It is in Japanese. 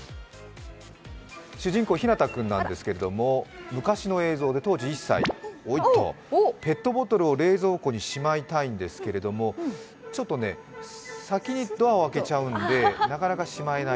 主人公、ひなた君なんですが昔の映像で当時１歳、ペットボトルを冷蔵庫にしまいたいんですけれども、ちょっと先にドアを開けちゃうんでなかなしまえない。